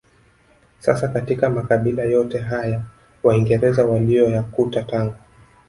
Sasa katika makabila yote haya waingereza waliyoyakuta Tanga